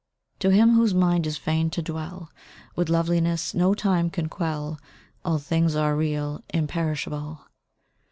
To him, whose mind is fain to dwell With loveliness no time can quell, All things are real, imperishable.